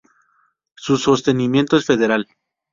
Su sostenimiento es Federal.